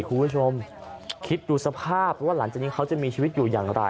คุณผู้ชมคิดดูสภาพว่าหลังจากนี้เขาจะมีชีวิตอยู่อย่างไร